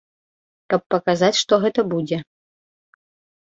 Каб паказаць, што гэта будзе.